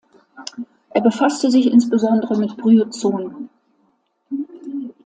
Er befasste sich insbesondere mit Bryozoen.